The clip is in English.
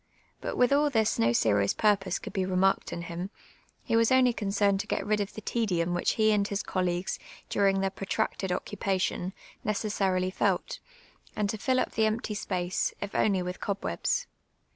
But with all this n<> serious pur|H>se eould Ik* remarked in him, — he wius only eoncenied to j^et rid of tlie tedium whieh he and his eollea^es, duriii;; tlu ir ])rotnieted ()eeupati(»n, neeessarily frit, and to fill up the empty space, if only with eol)web8.